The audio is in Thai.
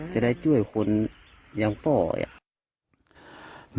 จะได้ช่วยคนอย่างพ่ออย่างนี้